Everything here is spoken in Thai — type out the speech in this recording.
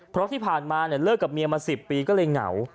เพราะที่ผ่านมาเลิกกับเมียมา๑๐ปีก็เลยเหงา